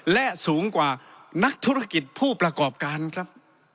และสูงกว่านักธุรกิจผู้ประกอบการครับ